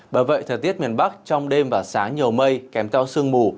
bởi vậy thời tiết miền bắc trong đêm và sáng nhiều mây kèm theo sương mù